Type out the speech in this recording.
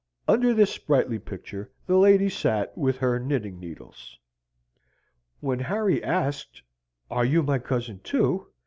Under this sprightly picture the lady sate with her knitting needles. When Harry asked, "Are you my cousin, too?"